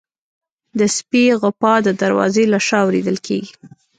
د سپي غپا د دروازې له شا اورېدل کېږي.